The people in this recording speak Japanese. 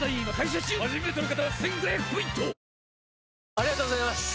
ありがとうございます！